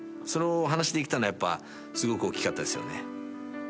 それをお話できたのはやっぱすごく大きかったですよね。